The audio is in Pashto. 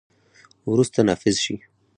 وروسته، نافذ شي.